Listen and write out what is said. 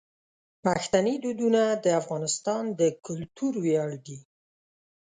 پښتني دودونه د افغانستان د کلتور ویاړ دي.